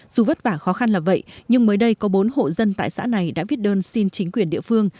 dù vất vả khó khăn là vậy nhưng mới đây có bốn hộ dân tại xã này đã viết đơn xin chính quyền địa phương